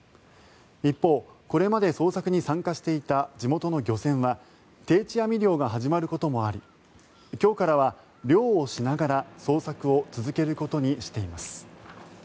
一方、これまで捜索に参加していた地元の漁船は定置網漁が始まることもあり今日からは漁をしながら捜索を続けることにしています。